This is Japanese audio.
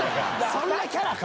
そんなキャラか？